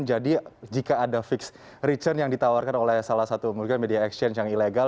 jadi jika ada fixed return yang ditawarkan oleh salah satu media exchange yang ilegal